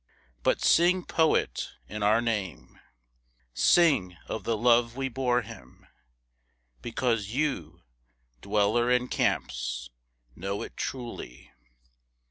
But sing poet in our name, Sing of the love we bore him because you, dweller in camps, know it truly.